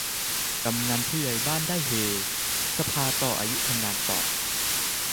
กำนันผู้ใหญ่บ้านได้เฮ สภาต่ออายุ ทำงานต่อ